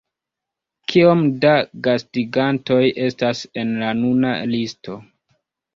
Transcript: Kiom da gastigantoj estas en la nuna listo?